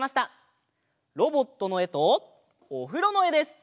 ロボットのえとおふろのえです！